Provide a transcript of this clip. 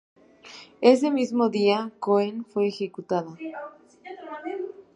Ese mismo día, Cohen fue ejecutada.